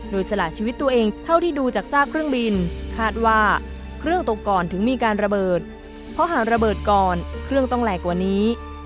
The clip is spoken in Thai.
โดยสละชีวิตตัวเองเท่าที่ดูจากซากเครื่องบินคาดว่าเครื่องตกก่อนถึงมีการระเบิดเพราะหากระเบิดก่อนเครื่องต้องแรงกว่านี้